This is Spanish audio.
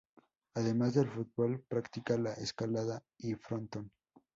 Además del fútbol, practica la escalada y frontón.